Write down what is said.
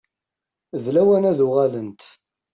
D lawan ad uɣalent.